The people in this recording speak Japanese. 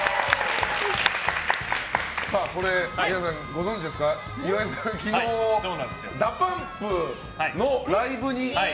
皆さん、ご存じですか岩井さん、昨日ＤＡＰＵＭＰのライブに。